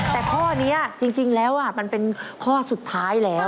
แต่ข้อนี้จริงแล้วมันเป็นข้อสุดท้ายแล้ว